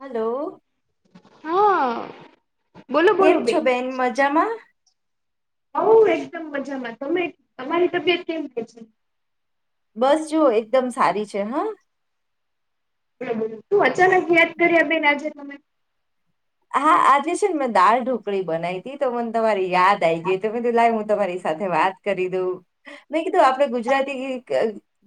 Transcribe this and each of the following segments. Hello હા બોલો બોલો કેમ છો બેન મજામાં હ એકદમ મજામાં તમે તમારી તબિયત કેમ કે છે બસ જુઓ એકદમ સારી છે હા બ ત અચાનક યાદ કર્યા બેન આજે તમે હા આજે છે ને મેં દાળ ઢોકળી બનાવી તી તો મને તમારી યાદ આ આવી ગઈ ત તો લાગે તમારી સાથે વાત કરી દઉ મે કીધું આપડે ગુજરાતી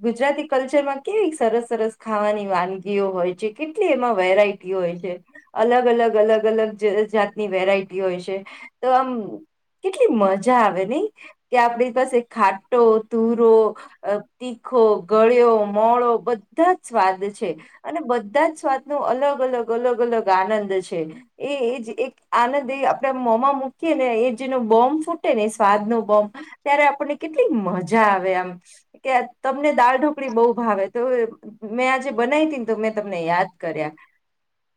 ગુજરાતી કલ્ચરમાં કેવી સરસ સરસ ખાવાની વાનગીઓ હોય છે કેટલી એમાં વેરાયટી હોય છે અલગ અલગ અલગ અલગ જાતની વેરાયટી હોય છે તો આમ કેટલી મજા આવે નને કે આપડી પાસે ખાટો તુરોીખ આખો ગળ્યો મોડો બધા જ સ્વાદ છે અને બધા જ સ્વાદ નું અલગ અલગ ગોલોગોલોગ આનંદ છે એ એક આનંદ આપ મોમા મૂકી ને એ જેનો બોમ્બ ફૂટે ને સ્વાદ બમ્બ ત્યારે આપણને કેટલીક મજા આવે આમ કે તમને દાળ ઢોકળી બહુ ભાવે તો મેં આજે બનાવી હતીી ને તો મેં તમને યાદ કર્યા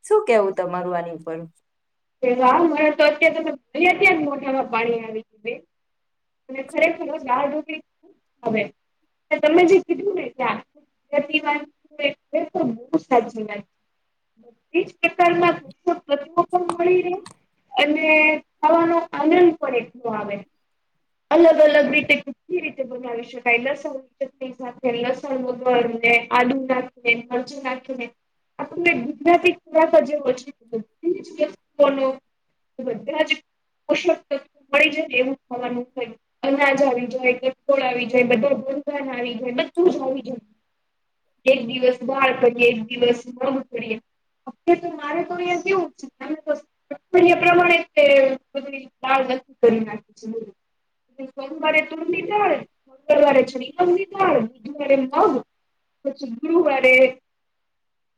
શું કેવું તમારું આ હું પણ વા મા તો અત્યારે તો ભ અતં મોટામાં પાણી આવે છે અને ખરેખર જ રાહ હવે તમે જે કીધું ને ત્યા તિ વાત એટલે તો બહુ સાચું વાત બ પ્રકારમાં પણ મળી રહે અને ખવાનો આનંદ પણ એટલો આવે અલગ અલગ રીતે કે રીતે બનાવી શકાય લસણની ચટણી સાથે લસણ વગર આલુ નાખીને મરચું નાખીને આપણ ગુજરાતી ખુરાકા જે છે વતુઓનો તો બધાજ પોષક મળી જાય ને એવું ખાવાનું હોય અનાજ આવી જાય ગઠળ આવી જાય બધા આવી જાય બધું જ આવી જાય એક દિવસ બહાર પડીએ એક દિવસ મગ પડીએ અ તો મારે તો અહીંયા કેવું પ્રમાણે બ લળ ન કરી નાખી છે સોમવારે તુર નિધાળ મંગળવારે જ મ નિધાળ બુધવારે મગ પછી ગ્રુવારે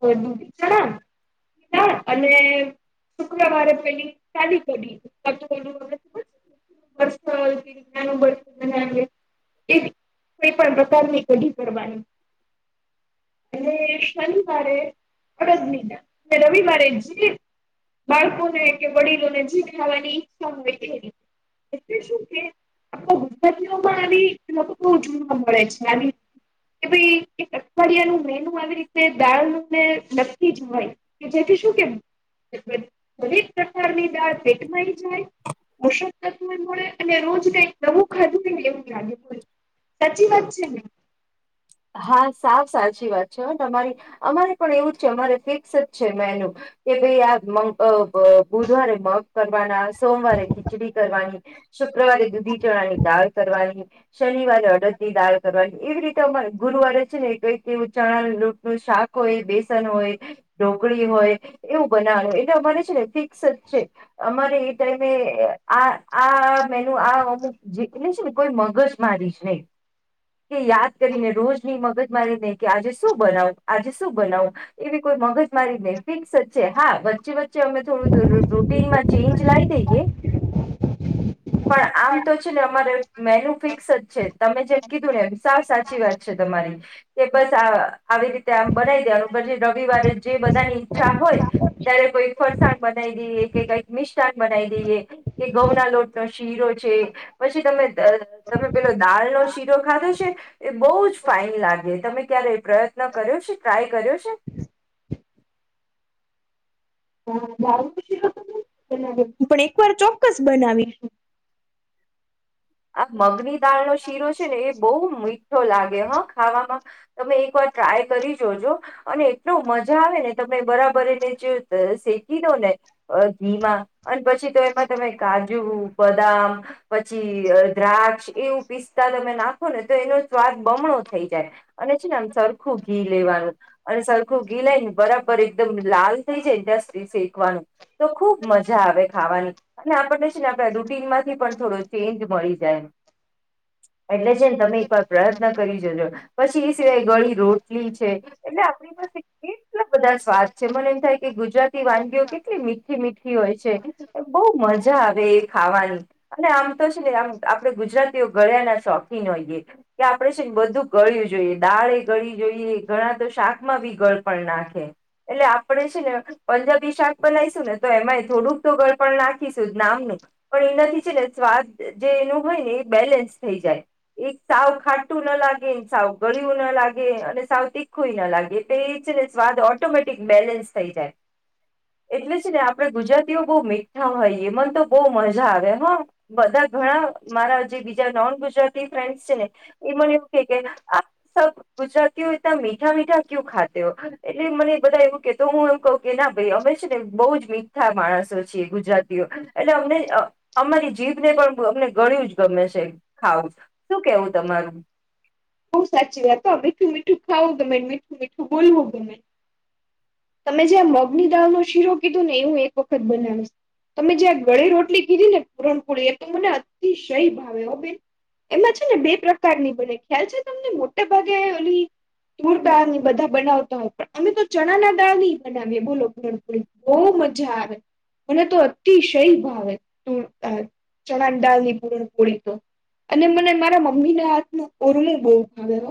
દૂી ચણા અને શુક્રવારે પેલી ચાલી પડી હ બર્તા હોલ્તી નાનું બર્તીનાન એવી કોઈ પણ પ્રકારની કઢી કરવાની અને શનિવારે અડદ દિના અને રવિવારે જે બાળકોને કે વડીલોને જીવ ખાવાની ઈચ્છા હોય તે રીતે એટલે જોકે આપ ગુજતીઓમાં આવી બહુ જોવા મળે છે આવી કે ભાઈ એ અઠવાડિયાનું મેનુ આવી રીતે દાળનુંને નક્કી જ હોય કે જે કે દરેક પ્રકારની દાળ ભેટમાંય જાય ઓશક તત્વું મળે અને રોજ કઈક નવું ખાધું કેને એવું લાગે મળે સાચી વાત છે ને હા સાવ સાચી વાત છે અમારી અમારે પણ એવું જ છે અમારે ફિક્સ જ છે મેનુ કે ભાઈ આ મ બુધવારે મગ કરવાના સોમવારે ખીચડી કરવાની શુક્રવારે દૂધી ચણાની દાળ કરવાની શનિવારે અડદ ની દાળ કરવાની એવી રીતે અમારે ગુરુવારે છે ને કઈ ચણા લોૂટ નું શાક હોય બેસન હોય ઢોકળી હોય એવું બનાવડ એટલે અમારે છે ને ફિક્સ જ છે અમારે એ ટાઈમે આ આ અમુક જે ને કોઈ મગજ મારીશ નહી કે યાદ કરીને રોજ ની મગજ મારી નહી કે આજે શું બનાવ આજે શું બનાવું એવી કોઈ મગજ મારી ન ફિક વચચે હા વચ્ચે વચ્ચે અમે થોડું રૂટીનમાં ચેન્જ લાવી દઈએ [inaudible] પણ આમ તો છે ને અમારે મેન્યુ ફિક્સ જ છે તમે જેમ કીધું ને એમ સા સાચી વાત તમારી બસ આવી રીતે આમ બનાવી દેવાનું પછી રવિવારે જે બધાની ઈચ્છા હોય ત્યારે કોઈ ફરસાણ બનાવી દઈએ કે કઈક મિષાન બનાવી દઈએ કે ઘઉ ના લોટ શીરો છે પછી તમે તમે પેલો દાળનો શીરો ખાધો છે એ બહ જ ફાાઈન લાગે તમે ક્યારે એ પ્રયત્ન કર્યો છે ટ્રાય કર્યો છે [inaudible] પણ એક વાર ચોક્કસ બનાવી આ મગની દાળ નો શીરો છે ને એ બહુ મીઠો લાગે હા ખાવામાં તમે એક વાર ટ્રાય કરી જોજો અને એટલ મજા આવે ને તમે બરાબર એને જે શેકી દો ને ઘીમાં અને પછી તો એમાં તમે કાજુ બદામ પછી દ્રાક્ષ એવું પિસ્તા તમે નાખો ને તો એનો સ્વાદ બમણો થઈ જાય અને છે નેમ સરખું ઘી લેવાનું અને સરખું ઘી લઈને બરાબર એકદમ લાલ થઈ જાયને ત્યાં સુ શેક ખબ મજા આવે ખાવાની અને આપને છે ને આપ રૂટીન માંથી પણ થોડો ચેન્જ મળી જાય એટલે છે ને તમે એકવાર પ્રયત્ન કરી જજો પછી એ સિવાય ગળી રોટલી છે એટલે આપણી કેટલા બધા સ્વાદ છે મને એમ થાય કે ગુજરાતી વાનગીઓ કેટલી મીઠી મીઠી હોય છે બહ મજા આવે એ ખાવાની અને આમ તો આપે ગુજરાતીઓ ગળ્યા ના શોખીન હોઈયએ કે આપણેે છે ને બધું ગળ્યું જોઈએ દાળ ગળી જોઈએ ઘણા તો શાકમાં બી ગળ પણ નાખે એટલે આપડે છે ને પંજાબી શાક બનાવીશું ને તો એમાં થોડુંક તો ગળપ નાખીશું નામનું પણ એ નથી છે ને સ્વાદ જે એનું હોય ને એ બેલેન્સ થઈ જાય એક સાવ ખાટું ના લાગે સાવ ગળયું ના લાગે લાગે અને સાવ તીખું ના લાગે તો એ છે ને સ્વાદ ઓટોમેટિક બેલેન્સ થઈ જાય એટલે જ ને આપડે ગુજરાતી બહુ મીઠા હોઈએ મને તો બહુ મજા આવે હા બધા ઘણા મારા જે બીજા નોન ગુજરાતી ફ્રેન્ડસ છે ને એ મને એવું કે કે આ ગુજરાતીઓ ત્યાં મીઠા મીઠા કયુ ખાતે હો એટલે મને બધા એવું કેતો હું એમ કહ કે ના ભાઈ અમે ને બહ જ મીઠા માણસો છ ગુજરાતીઓ એટલે અમને અમારી જીભને પણ. અમને ગણું જ ગમે છે ખાવ શું કેવું તમારું. બહ સાચી વાત તો મીઠું મીઠું ખાવું ગમે મીઠું મીઠું બોલવું ગમે. તમે જ્યાં મગની દાળનો શીરો કીધું ને એ હું એક વખત બનાવીશ. તમે જ્યાં ગળે રોટલી કીધી ને પૂરણપુળી એ તો મને અતિશય ભાવે ઓ બેન. એમાં છે ને બે પ્રકારની બને ખ્યાલ છે તમને મોટેા ભાગે ઓલી. તુર દાળ ને બધા બનાવતા હોય પણ અમે તો ચણા ના દાળ નહી બનાવીએ બોલોણ બ. મજાર. મને તો અતિશય ભાવે તું ચણા દાલની પૂરણ કોળી તો. અને મને મારા મમ્મીને હાથનું ઓરમું બહુ.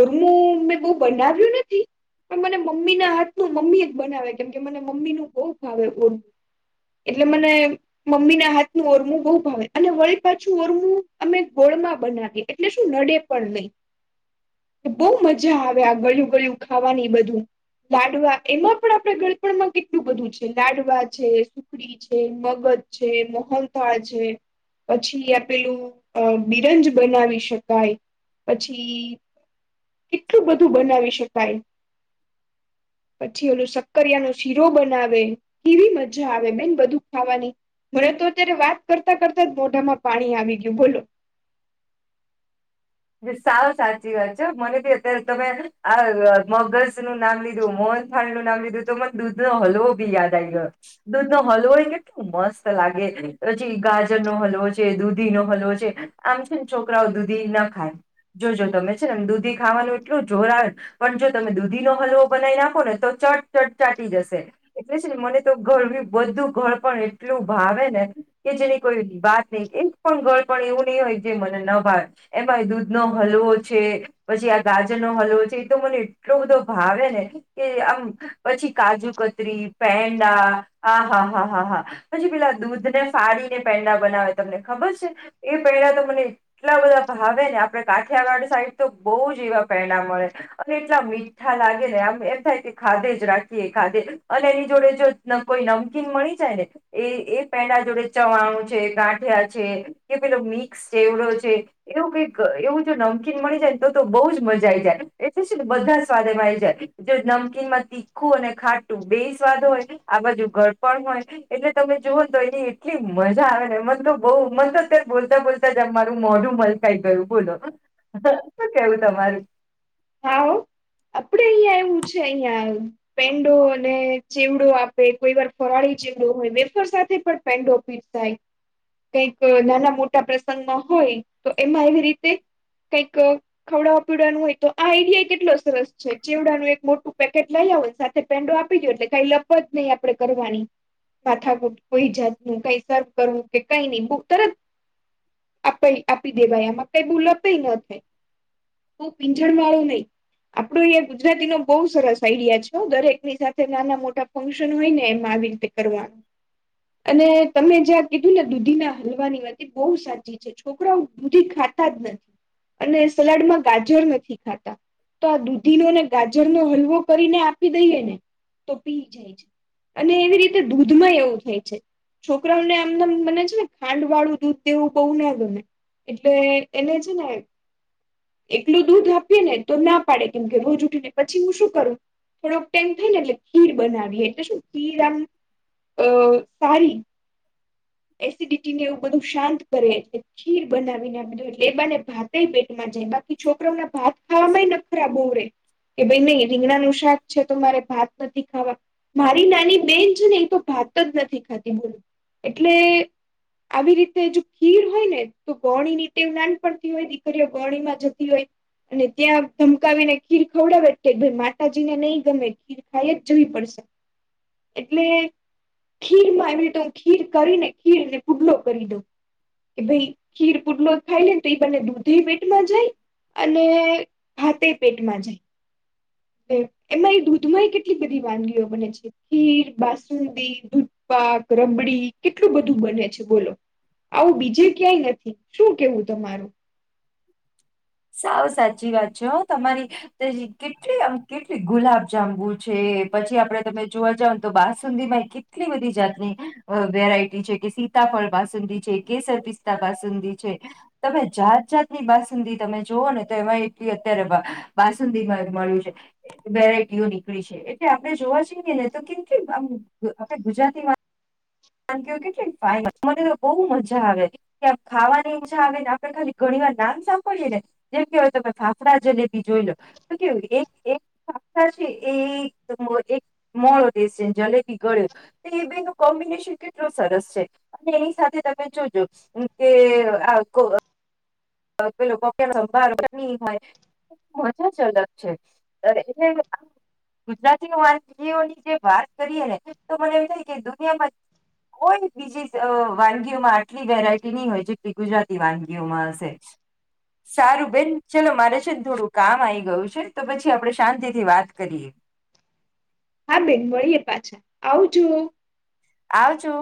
ઉરમું મેં બહુ બનાવ્યું નથી. પણ મને મમ્મી ના હાથ ન મમ્મી જ બનાવે કેમ કે મને મમ્મી નું કોપ આવે ઓ. એટલે મને મમ્મીના હાથ ન ઓરમું બહુ ભાવે અને વળી પાછું ઓરમું અમે ગોળ. બનાવી એટલે શું નડે પણ નહી. બહુ મજા આવે આ ગળિું ગળિયું ખાવાની બધું. લાડવા એમાં પણ આપડે ગળપણમાં કેટલું બધું છે લાડવા છે સુખડી છે મગર. છે મોહનતાળ છે. પછી આપેલું અ બિરંજ બનાવી શકાય. પછી કેટલું બધું બનાવી શકાય. પછી ઓલું શક્કરિયા ન શીરો બનાવે કેવી મજા આવે બેન બધું ખાવાની. મને તો અત્યારે વાત કરતા કરતા જ મોઢામાં પાણી આવી ગયું બોલો. સાવ સાચી વાત છે મને ભી અત્યારે તમે આ મગસ નું નામ લીધું. [unintelligible] લીધું તો મને દૂધ નો હલવો બી યાદ આવી ગયો દૂધ નો હલવો એ કેટલું મસ્ત લાગ. પછી ગાજર નો હલવો છે દૂધી નો હલવો છે આમ છે ને છોકરાઓ દૂધી ના. [unintelligible] જોજો તમે છે ને દૂધી ખાવાનું એટલું જોર આવે પણ જો તમે દૂધી નો હલવો બનાવી નાખો ને તો. ટ ચટ ચાટી જશે એટલે છે ને મને તો ઘર બધું ઘર પણ એટલું ભાવે ને. કે જેની કોઈ વાત નહી એક પણ ગળ પણ એવું નહી હોય જે મને ન ભાવે. એમાં દૂધ નો હલવો છે પછી આ ગાજર નો હલવો છે એતો મને એટલો બધો ભાવે ને. કે આમ પછી કાજુ કતરી પેંડા હ હા હા હા હા પછી. પેલા દૂધ ને ફડીને પેંડા બનાવે તમને ખબર છે એ પેંડા તો મને એટલા બધા. હવે ને આપડે કાઠિયાવાડ સાઈડ તો બહુ જ એવા પેડા મળે અને એટલા મીઠા લાગે ને. એમ થાય કે ખાધે જ રાખીએ ખાધે અને એની જોડે જો કોઈ નમકીન મળી જાય ને એ. એ પેડા જોડે ચવાણું છે ગાંઠિયા છે કે પેલો મિક્સ જેવડો છે. એવું કઈક એવું જો નમકીન મળી જાય ને તો બઉ જ મજા આઈ જાય એટલે ને બધા સ્વાદ એમાં આવી જાય. જો નમકીનમાં તીખું અને ખાટું બે સ્વાદ હોય આ બાજુ ઘડપણ હોય એટલે. તમે જુઓ તો એની એટલી મજા આવે ને મત તો બ મત તો અત્યારે બોલતા બોલતા જમ મારું મોઢું મળ. કઈ ગયું બોલો શું કેવું તમારું [unintelligible] એવું છે અહિયાં પેંડો અને ચેવડો આપે કોઈ વાર ફરાળી ચેવડો હોય. સાથે પણ પેન્ડોપીટ થાય. કઈક નાના મોટા પ્રસંગમાં હોય તો એમાં એવી રીતે. કઈક ખવડાાવવાપીડાનું હોય તો આ આઈડિયા કેટલો સરસ છે. ચીવડાનું એક મોટું પેકેટ લઈ આવો સાથે પેંડો આપી ગયો એટલે કાઈ લપ જ નહીિ આપડે કરવાની. માથાકુટ કોઈ જાતનું કઈ સર્વ કરવું કે કઈ નહી બ તરત. આપે આપી દેવાય એમાં કઈ બોલપ ન થાય. હ પીંછણ વાળું નહી આપડું. ગુજરાતી નો બઉુ સરસ આઈડિયા છે દરેકની સાથે નાના મોટા ફંક્શન હોય ને એમ આવી રીતે કરવાનું. [inaudible] અને તમે જ્યાં કીધું ને દૂધી ના હલવાની વાત એ બહુ સાચી છે છોકરાઓ દૂધી ખ ખાતજ નહીં અને સલાડમાં ગાજર નથી ખાતા તો આ દુ ઘીનો ને ગાજરનો હલવો કરીને આપી દઈએ ને તો પી જાય છે અને એવી રીતે દૂધમાં એવું થાય છે છોકરાઓને આમનેમ મને છે ને ખાંડ વાળું દૂધ દેવું બહુ ન ગમે એટલે એને છે ને એકલું દૂધ આપીએ ને તો ના પાડે કેમ કે રોજ ઉઠીને પછી હું શું કરું થોડોક ટાઈમ થઈ ને એટલે ખીર બનાવીએ એટલે શું ખીર આમ અ સારી એસિડિટી ને એવું બધું શાંત કરે એટલે ખીર બનાવીને બધો એલે એબાને ભાતેય પેટમાં જે બાકી છોકરો ના બાત ખાવામાં એ નખરા બો રે કે ભાઈ નહી રીંગણાનું શાક છે તો મારે ભાત નથી ખાવા મારી નાની બેન છે ને એ તો ભાત જ નથી ખાતી બોલ એટલે આવી રીતે જો ખીર હોય ને તો ગૌણી ની ટેવ નાનપણ તી હોય દીકરીઓ ગૌણીમાં જતી હોય અને ત્યાં ધમકાવી ને ખીર ખવડાવે એ ભઈ માતાજીને નહી ગમે ખીર ખાઈ જ જવી પડશે [inaudible] એટલે ખીરમાં આવી તો ખીર કરીને ખીર ને પુડલો કરી દો કે ભાઈ ખીર પૂટલો જ ખાઈ લે ને તો એ બને દૂધ પેટમાં જાય અને ભાતે પેટમાં જાય એમાં એ દૂધમાં એ કેટલી બધી વાનગીઓ બને છે ખીર બાસુુંદી દૂધ પાક રબડી કેટલું બધું બને છે બોલો આવું બીજે ક્યાંય નથી શું કેવું તમારું [unintelligible] સાવ સાચી વાત છે તમારી કેટલી આમ કેટલી ગુલાબ જાંબુ છે પછી આપડ તમે જોવા જાવ તો બસુંદીમાં કેટલી બધી જાતની વેરાયટી છે કે સીતા ફળ બાસંદી છે કેસર પિસ્તા બાસંદી છે તમે જાત જાત ની બાસુંદી તમે જોઓ ને તો એમાં એટલી અત્યારે બાસુંદી માં મળ્યું છે વેરા ટિયો નીકળી છે એટલે આપડણે જોવા જઈએ ને તો કેમ કેમ આમ આપણે ગુજરાતીમાં [unintelligible] કે કેટલીને ફન [unintelligible] મને તો [unintelligible] બહુ મજા આવે કે ખાવાની ઈજા આવે ને આપડે ખાલી ઘણી વાર નામ સાંભળીયે ને જેમ કેહેવાય તમે ફાફડા જલેબી જોઈ લો તો કેવું એ એ એ એક મોડો દસ છેને જલેબી ગળ્યો એ બે ન કોમ્બિનેશન કેટ લું સરસ છે અને એની સાથે તમે જોજો કે આ [unintelligible] પ લોકો કેાર કે ન હોય [unintelligible] મોજા જ અલક છે એલે ગુજરાતી વાનગીઓ ની જે વાત કરીએ ને તો મને એવુ થાય કે દુનિયામાં હોય બીજી વાનગીઓમાં આટલી વેરાયટી નહી હોય જેટલી ગુજરાતી વાનગીઓમાં હશે [unintelligible] સારું બેન ચલો મારે છે ને થોડું કામ આઈ ગયું છે તો પછી આપડણે શાંતિથી વાત કરીએ [unintelligible] હા બેન મળીએ પાછા આવજો આવજો